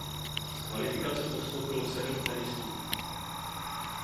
Z kvalifikace postoupilo sedm tenistů.